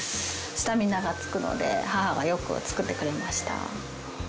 スタミナがつくので母がよく作ってくれました。